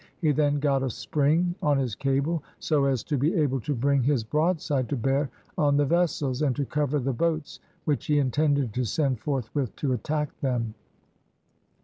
He then got a spring on his cable, so as to be able to bring his broadside to bear on the vessels, and to cover the boats which he intended to send forthwith to attack them.